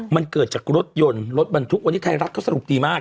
มันเกิดจากรถยนต์รถบรรทุกวันนี้ไทยรัฐเขาสรุปดีมาก